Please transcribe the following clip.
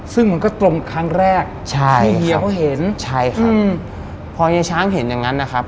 ซึ่งมันก็ตรงครั้งแรกใช่ที่เฮียเขาเห็นใช่ครับพอเฮียช้างเห็นอย่างนั้นนะครับ